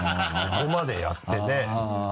ここまでやってね。